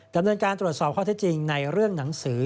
ดำเนินการตรวจสอบข้อเท็จจริงในเรื่องหนังสือ